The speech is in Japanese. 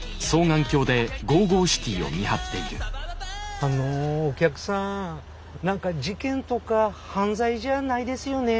あのお客さん何か事件とか犯罪じゃないですよね？